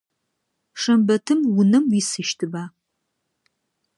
Шэмбэтым унэм уисыщтыба?